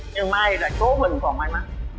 nhưng may là cố bình còn may mắn